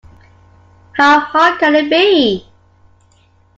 How hard can it be?